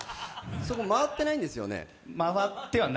そこ、回ってないんですよね？